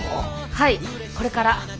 はいこれから。